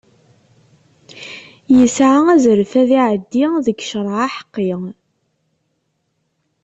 Yesɛa azref ad iɛeddi deg ccreɛ aḥeqqi.